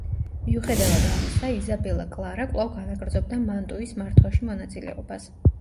მიუხედავად ამისა, იზაბელა კლარა კვლავ განაგრძობდა მანტუის მართვაში მონაწილეობას.